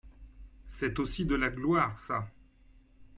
C'est aussi de la gloire, ça.